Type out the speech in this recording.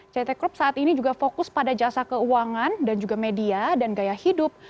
ct corp saat ini juga fokus pada jasa keuangan dan juga media dan gaya hidup